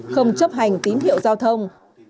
không chấp hành tín hiệu giao thông